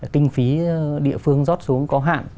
kinh phí địa phương rót xuống có hạn